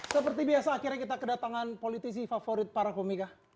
seperti biasa akhirnya kita kedatangan politisi favorit para komika